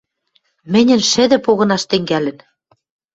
Мӹньӹн шӹдӹ погынаш тӹнгӓлӹн.